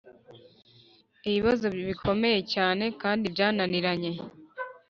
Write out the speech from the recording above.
Ibibazo bikomeye cyane kandi byananiranye